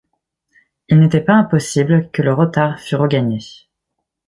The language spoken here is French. Il n’était pas impossible que le retard fût regagné.